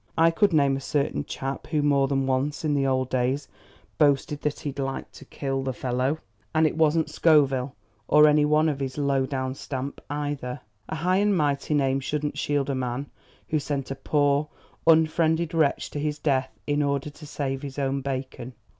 I could name a certain chap who more than once in the old days boasted that he'd like to kill the fellow. And it wasn't Scoville or any one of his low down stamp either. A high and mighty name shouldn't shield a man who sent a poor, unfriended wretch to his death in order to save his own bacon.